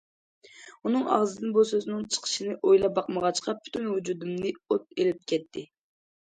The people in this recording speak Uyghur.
ئۇنىڭ ئاغزىدىن بۇ سۆزنىڭ چىقىشىنى ئويلاپ باقمىغاچقا، پۈتۈن ۋۇجۇدۇمنى ئوت ئېلىپ كەتتى.